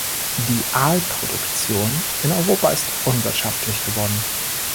Die Aalproduktion in Europa ist unwirtschaftlich geworden.